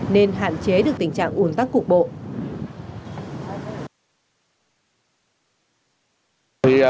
nên hạn chế được tình trạng uốn tắt cục bộ